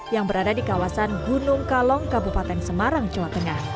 yang berada di kawasan gunung kalong kabupaten semarang jawa tengah